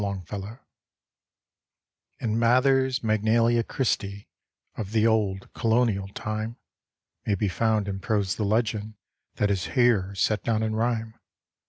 longfellow In Mather's Magnalia Christ!, Of the old colonial time. May be found in prose the legend That is here set down in rhyme.